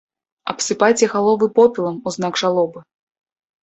Абсыпайце галовы попелам у знак жалобы.